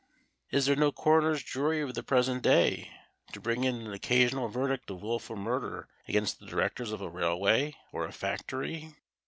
Is there no coroner's jury of the present day to bring in an occasional verdict of wilful murder against the directors of a railway or a factory?